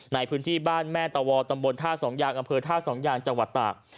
ในพื้นที่บ้านแม่ตะวอตำบลท่าสองยางอำเภอท่าสองยางจังหวัดตาก